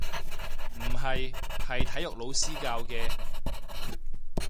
唔係，係體育老師教嘅